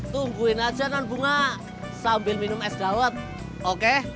tungguin aja nan bunga sambil minum es gawat oke